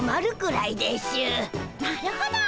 なるほど。